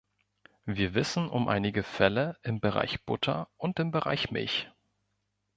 Wir wissen um einige Fälle im Bereich Butter und im Bereich Milch.